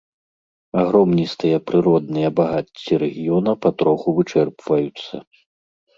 Агромністыя прыродныя багацці рэгіёна патроху вычэрпваюцца.